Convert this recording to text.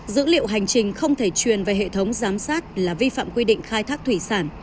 dữ liệu hành trình không thể truyền về hệ thống giám sát là vi phạm quy định khai thác thủy sản